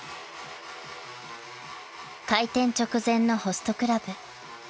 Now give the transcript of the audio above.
［開店直前のホストクラブ］